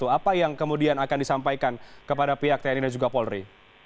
apa yang kemudian akan disampaikan kepada pihak tni dan juga polri